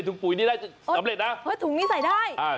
ถือว่าถุงนี้ใส่ได้